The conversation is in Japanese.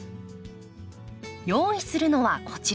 用意するのはこちら。